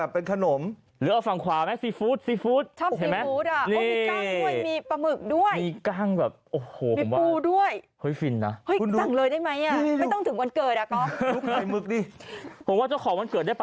พี่เบิร์ทไม่ชอบเค้กหวานใช่ไหม